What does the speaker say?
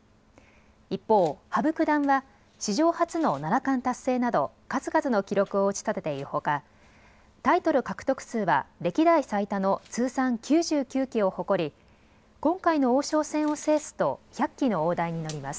一方、羽生九段は史上初の七冠達成など数々の記録を打ち立てているほかタイトル獲得数は歴代最多の通算９９期を誇り、今回の王将戦を制すと１００期の大台に乗ります。